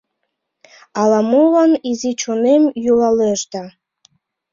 Ала-молан изи чонем йӱлалеш да